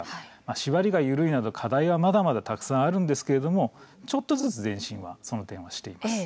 縛りが緩いなど課題はまだまだあるんですけれどもちょっとずつ前進はその点はしています。